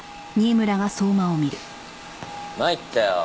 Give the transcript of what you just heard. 参ったよ。